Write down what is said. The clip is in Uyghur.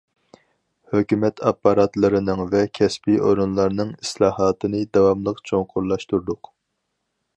ھۆكۈمەت ئاپپاراتلىرىنىڭ ۋە كەسپىي ئورۇنلارنىڭ ئىسلاھاتىنى داۋاملىق چوڭقۇرلاشتۇردۇق.